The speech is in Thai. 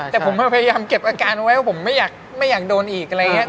แต่ผมพยายามเก็บอาการเอาไว้ว่าผมไม่อยากโดนอีกอะไรอย่างนี้